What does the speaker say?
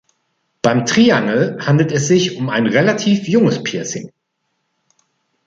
Beim Triangle handelt es sich um ein relativ junges Piercing.